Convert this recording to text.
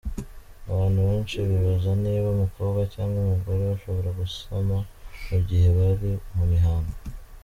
Abantu benshi bibaza niba umukobwa cyangwa umugore bashobora gusama mu gihe bari mu mihango.